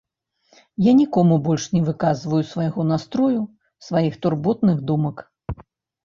Я нікому больш не выказваю свайго настрою, сваіх турботных думак.